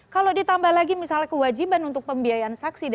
kalau ditambah lagi misalnya kewajiban untuk pembiayaan saksi